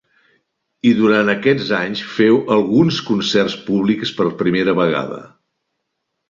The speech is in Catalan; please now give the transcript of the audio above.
I durant aquests anys féu alguns concerts públics per primera vegada.